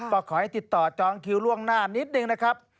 ก็ขอให้ติดต่อจองคิวล่วงหน้านิดนึงนะครับ